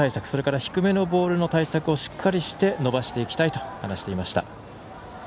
それから低めのボールの対策をしっかりして伸ばしていきたいと話していました。